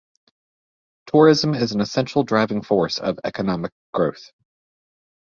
Tourism is an essential driving force of economic growth.